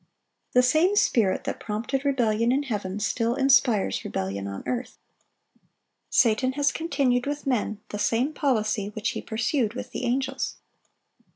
The same spirit that prompted rebellion in heaven, still inspires rebellion on earth. Satan has continued with men the same policy which he pursued with the angels.